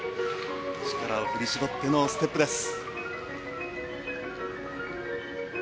力を振り絞ってのステップです。